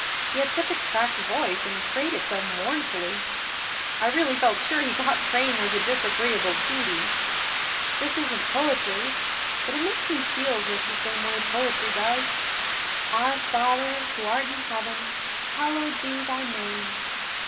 He had such a cracked voice and he prayed it so mournfully. I really felt sure he thought praying was a disagreeable duty. This isn't poetry, but it makes me feel just the same way poetry does. 'Our Father who art in heaven hallowed be Thy name.